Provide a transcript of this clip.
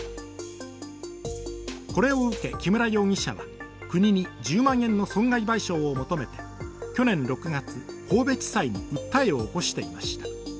これを受け木村容疑者は、国に１０万円の損害賠償を求めて去年６月、神戸地裁に訴えを起こしていました。